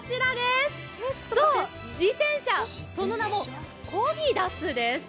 そう自転車、その名もコギダスです。